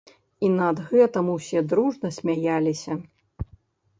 І над гэтым усе дружна смяяліся.